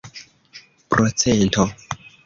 procento